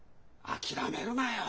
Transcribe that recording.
諦めるなよ。